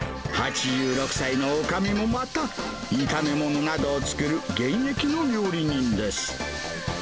８６歳のおかみもまた、炒め物などを作る現役の料理人です。